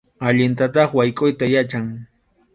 Allintataq waykʼuyta yachan.